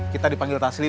kita dipanggil taslim